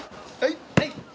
はい。